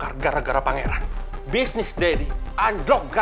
kenapa ceasongan harus ada di hidup gue